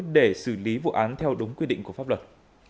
để xử lý vụ án theo đúng quy định của pháp luật